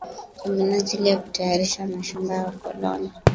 kwa minajili ya kutayarisha mashamba ya wakoloni